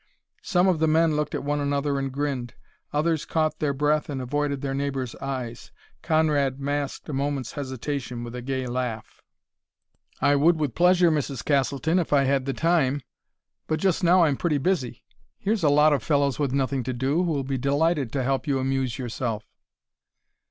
Some of the men looked at one another and grinned; others caught their breath and avoided their neighbors' eyes. Conrad masked a moment's hesitation with a gay laugh. "I would, with pleasure, Mrs. Castleton, if I had time; but just now I'm pretty busy. Here's a lot of fellows with nothing to do, who'll be delighted to help you amuse yourself."